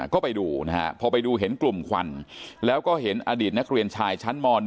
ก็ไปดูนะฮะพอไปดูเห็นกลุ่มควันแล้วก็เห็นอดีตนักเรียนชายชั้นม๑